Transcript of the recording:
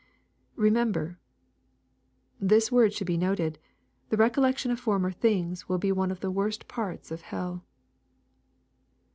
[Remember.] This word should be noted. The recollection of former things will be one of the worst parts of hell.